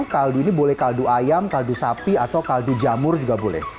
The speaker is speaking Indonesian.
kaldu ini boleh kaldu ayam kaldu sapi atau kaldu jamur juga boleh